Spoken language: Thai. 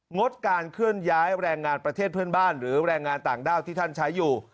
งดการเคลื่อนย้ายแรงงานประเทศเพื่อนบ้านหรือแรงงานต่างด้าวที่ท่านใช้อยู่